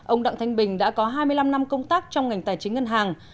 ông đặng thanh bình đã có hai mươi năm năm công tác trong ngành tài chính ngân hàng